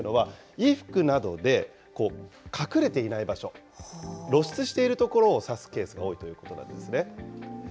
今回のこのトコジラミというのは、衣服などで隠れていない場所、露出している所を刺すケースが多いということなんですね。